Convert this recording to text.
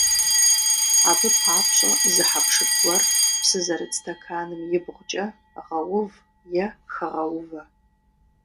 Абы папщӀэ зы хьэпшып гуэр псы зэрыт стэканым ибгъукӀэ гъэув е хэгъэувэ.